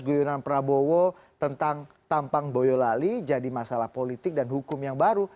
guyunan prabowo tentang tampang boyolali jadi masalah politik dan hukum yang baru